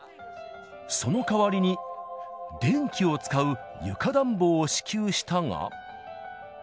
その代わりに、電気を使う床暖房を支給したが。